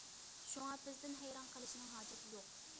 شۇڭا بىزدىن ھەيران قېلىشىنىڭ ھاجىتى يوق.